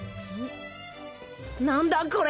何だこれ？